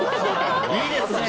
いいですね！